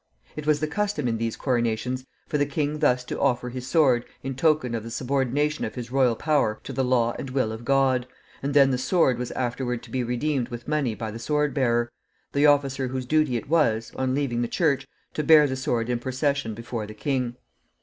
It was the custom in these coronations for the king thus to offer his sword, in token of the subordination of his royal power to the law and will of God, and then the sword was afterward to be redeemed with money by the sword bearer, the officer whose duty it was, on leaving the church, to bear the sword in procession before the king.